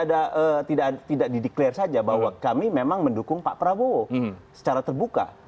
tidak dideklarasi saja bahwa kami memang mendukung pak prabowo secara terbuka